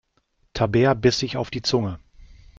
Tabea biss sich auf die Zunge.